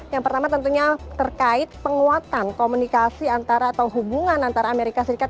yang pertama tentunya terkait penguatan komunikasi antara atau hubungan antara amerika serikat